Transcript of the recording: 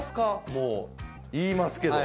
もう言いますけど。